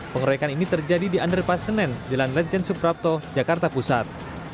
pengerekan ini terjadi di anderpas senen jalan lenten suprapto jakarta pusat